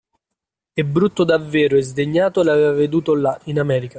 E brutto davvero e sdegnato l'aveva veduto là, in America